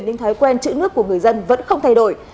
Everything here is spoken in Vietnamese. nên thói quen chữ nước của người dân vẫn không thay đổi